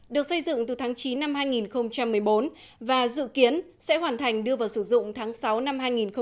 được xây dựng từ tháng chín năm hai nghìn một mươi bốn và dự kiến sẽ hoàn thành đưa vào sử dụng tháng sáu năm hai nghìn một mươi chín